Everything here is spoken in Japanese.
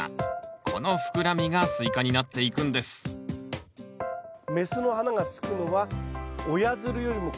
この膨らみがスイカになっていくんです雌の花がつくのは親づるよりも子づる。